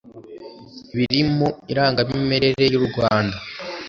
biri mu irangamimerere y urwanda